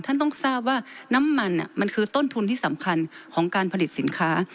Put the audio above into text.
ท่านต้องทราบว่าน้ำมันมันคือต้นทุนที่สำคัญของการผลิตสินค้า